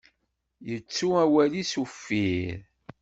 Yettu awal-is uffir.